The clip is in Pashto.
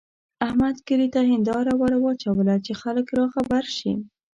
احمد کلي ته هېنداره ور واچوله چې خلګ راخبر شي.